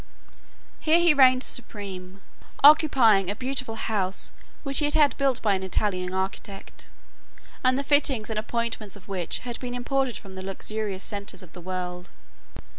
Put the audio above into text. Here he reigned supreme, occupying a beautiful house which he had built by an Italian architect, and the fittings and appointments of which had been imported from the luxurious centres of the world.